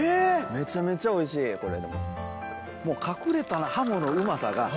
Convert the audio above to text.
めちゃめちゃおいしいこれ。